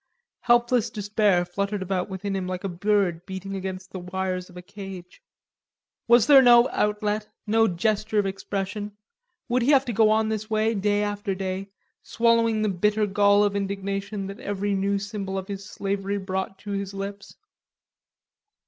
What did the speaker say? Helpless despair fluttered about within him like a bird beating against the wires of a cage. Was there no outlet, no gesture of expression, would he have to go on this way day after day, swallowing the bitter gall of indignation, that every new symbol of his slavery brought to his lips?